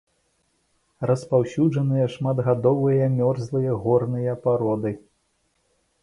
Распаўсюджаныя шматгадовыя мёрзлыя горныя пароды.